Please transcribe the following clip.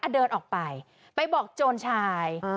เดินออกไปไปบอกโจรชาย